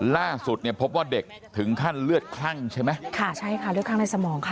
ล่าสุดเนี่ยพบว่าเด็กถึงขั้นเลือดคลั่งใช่ไหมค่ะใช่ค่ะเลือดข้างในสมองค่ะ